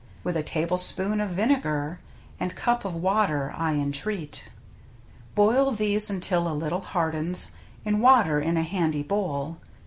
With a tablespoon of vinegar. And cup of water — I entreat — Boil these until a little hardens In water in a handy bowl.